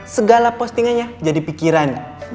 segala postingannya jadi pikiran